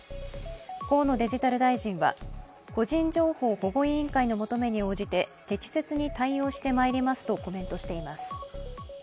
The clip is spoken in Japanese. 河野デジタル大臣は個人情報保護委員会の求めに応じて適切に対応してまいりますとコメントしています。